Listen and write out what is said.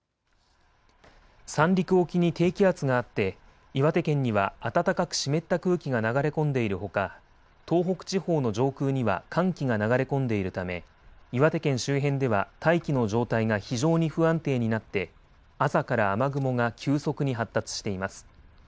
三陸沖に低気圧があって岩手県には暖かく湿った空気が流れ込んでいるほか東北地方の上空には寒気が流れ込んでいるため岩手県周辺では大気の状態が非常に不安定になって朝から雨雲が急速に発達しています。